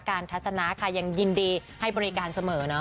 ทัศนะค่ะยังยินดีให้บริการเสมอเนาะ